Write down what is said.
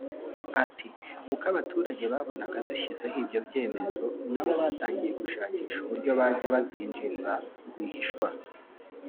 Ati”Uko abaturage babonaga dushyizeho ibyo byemezo nabo batangiye gushakisha uburyo bajya bazinjiza rwihishwa